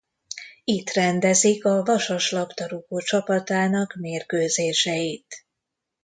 Itt rendezik a Vasas labdarúgócsapatának mérkőzéseit.